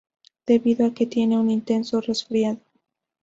Debido a que tiene un intenso resfriado.